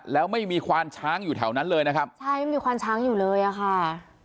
แล้วไม่มีควานช้างอยู่แถวนั้นเลยนะครับใช่ไม่มีควานช้างอยู่เลยอ่ะค่ะ